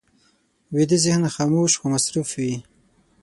ویده ذهن خاموش خو مصروف وي